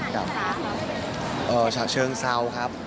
ฉะเชิงเซาครับ